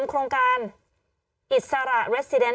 กล้องกว้างอย่างเดียว